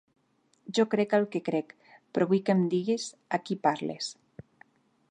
Jo crec el que crec; però vull que em digues a qui parles.